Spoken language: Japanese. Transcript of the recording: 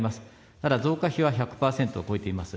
ただ、増加比は１００％を超えています。